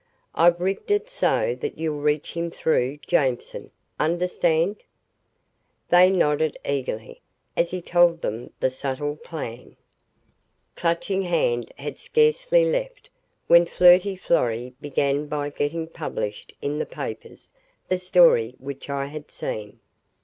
"I've rigged it so that you'll reach him through Jameson, understand?" They nodded eagerly as he told them the subtle plan. Clutching Hand had scarcely left when Flirty Florrie began by getting published in the papers the story which I had seen.